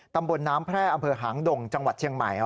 ตำบลน้ำแพร่อำเภอหางดงจังหวัดเชียงใหม่